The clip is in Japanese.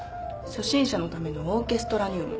「初心者のためのオーケストラ入門」